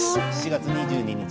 ７月２２日